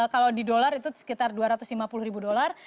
kalau di dolar itu sekitar dua ratus lima puluh ribu dolar